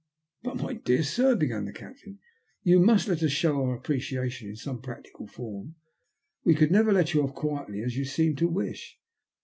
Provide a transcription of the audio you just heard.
" But my dear sir," began the captain, " you must let us show our appreciation in some practical form. We could never let you off quietly, as you seem to wish."